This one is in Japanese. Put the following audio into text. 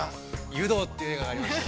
◆「湯道」って映画がありまして。